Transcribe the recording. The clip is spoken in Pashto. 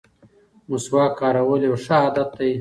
مسواک کارول یو ښه عادت دی.